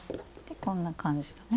こんな感じでね。